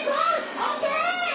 ＯＫ！